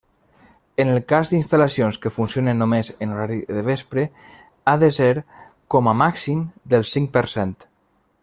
En el cas d'instal·lacions que funcionin només en horari de vespre ha de ser com a màxim del cinc per cent.